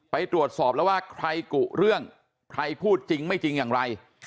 ไปตรวจสอบแล้วว่าใครกุเรื่องใครพูดจริงไม่จริงอย่างไร